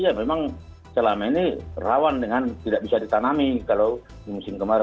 ya memang selama ini rawan dengan tidak bisa ditanami kalau di musim kemarau